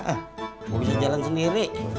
enggak usah jalan sendiri